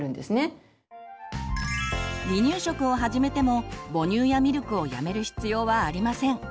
離乳食を始めても母乳やミルクをやめる必要はありません。